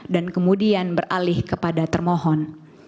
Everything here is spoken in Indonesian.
dan kemudian beralih kepada termohon